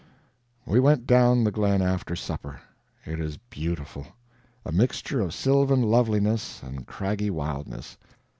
We went down the glen after supper. It is beautiful a mixture of sylvan loveliness and craggy wildness.